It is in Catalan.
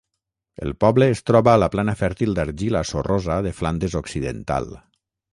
El poble es troba a la plana fèrtil d'argila sorrosa de Flandes Occidental.